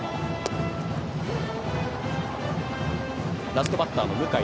ラストバッターの向井。